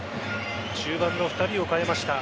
中盤の２人を代えました。